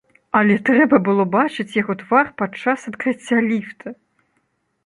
Але трэба было бачыць яго твар падчас адкрыцця ліфта!